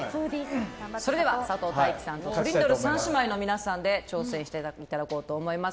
それでは佐藤大樹さんとトリンドル３姉妹の皆さんで挑戦していただこうと思います。